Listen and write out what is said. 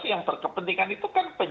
yang berkepentingan itu siapa sih